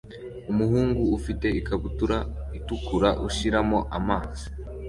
Umuhungu ufite ikabutura itukura ushiramo amazi